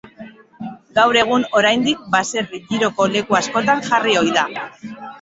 Gaur egun oraindik baserri giroko leku askotan jarri ohi da.